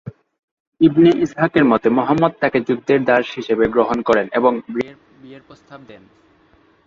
ইবনে ইসহাকের মতে, মুহাম্মদ তাকে যুদ্ধের দাস হিসেবে গ্রহণ করেন এবং বিয়ের প্রস্তাব করেন।